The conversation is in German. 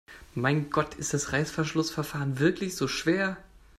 Mein Gott, ist das Reißverschlussverfahren wirklich so schwer?